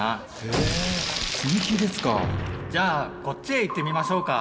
じゃあこっちへ行ってみましょうか。